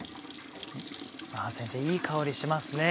あ先生いい香りしますね。